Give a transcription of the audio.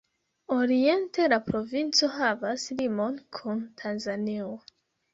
Oriente la provinco havas limon kun Tanzanio.